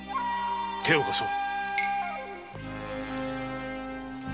手を貸そう。